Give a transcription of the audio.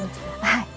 はい。